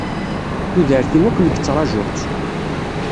Tudert-iw akk nekk ttṛajuɣ-tt.